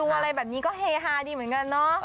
อะไรแบบนี้ก็เฮฮาดีเหมือนกันเนาะ